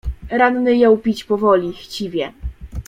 "Ranny jął pić powoli, chciwie."